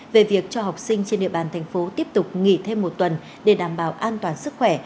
về việc cho học sinh trên địa bàn thành phố tiếp tục nghỉ thêm một tuần để đảm bảo an toàn sức khỏe